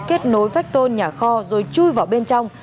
kết nối vách tôn nhà kho rồi chui vào bên trong